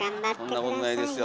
そんなことないですよ。